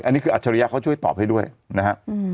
อันนี้คืออัจฉริยะเขาช่วยตอบให้ด้วยนะฮะ